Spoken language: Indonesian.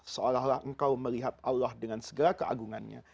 seolah olah engkau melihat allah dengan segala keagungannya